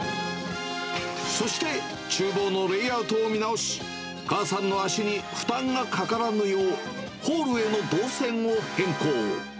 そしてちゅう房のレイアウトを見直し、母さんの足に負担がかからぬよう、ホールへの動線を変更。